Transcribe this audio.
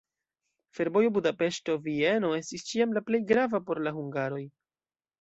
Fervojo Budapeŝto-Vieno estis ĉiam la plej grava por la hungaroj.